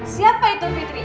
siapa itu fitri